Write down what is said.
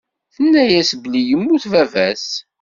Tenna-yas belli yemmut baba-s.